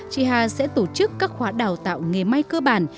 chị hà sẽ tổ chức các khóa đào tạo nghề may cơ bản